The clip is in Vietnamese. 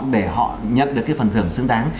để họ nhận được cái phần thưởng xứng đáng